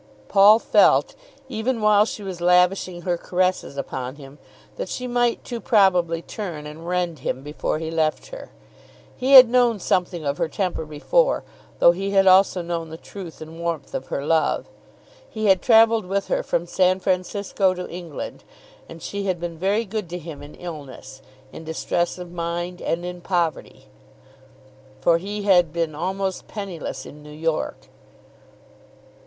Paul felt, even while she was lavishing her caresses upon him, that she might too probably turn and rend him before he left her. He had known something of her temper before, though he had also known the truth and warmth of her love. He had travelled with her from San Francisco to England, and she had been very good to him in illness, in distress of mind and in poverty, for he had been almost penniless in New York.